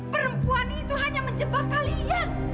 perempuan itu hanya menjebak kalian